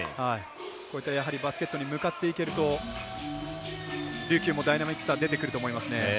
こういったやはりバスケットに向かっていけると琉球もダイナミックさ出てくると思いますね。